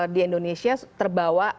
di indonesia terbawa